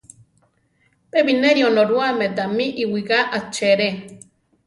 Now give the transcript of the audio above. Pe bineri Onorúame tamí iwigá achere.